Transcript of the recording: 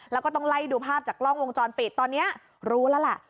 แล้วก็ต้องไล่ดูภาพจากกล้องวงจรปิดตอนนี้รู้แล้วแหละ